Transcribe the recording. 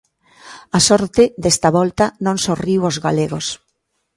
A sorte, desta volta, non sorriu aos galegos.